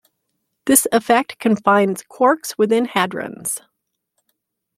This effect confines quarks within hadrons.